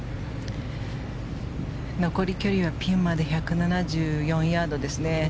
残り距離はピンまで１７４ヤードですね。